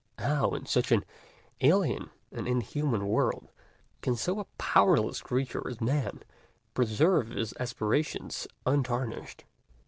How, in such an alien and inhuman world, can so powerless a creature as Man preserve his aspirations untarnished?